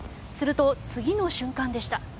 すると、次の瞬間でした。